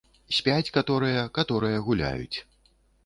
Спяць каторыя, каторыя гуляюць.